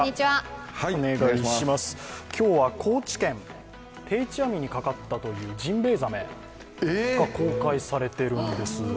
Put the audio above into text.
今日は高知県、定期網にかかったというジンベエザメが公開されているんです。